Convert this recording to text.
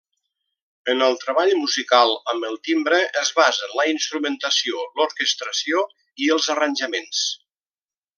En el treball musical amb el timbre es basen la instrumentació, l'orquestració i els arranjaments.